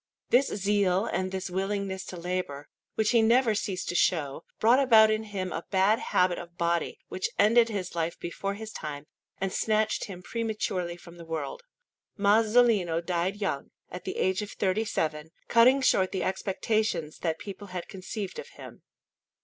This zeal and this willingness to labour, which he never ceased to show, brought about in him a bad habit of body, which ended his life before his time and snatched him prematurely from the world. Masolino died young, at the age of thirty seven, cutting short the expectations that people had conceived of him.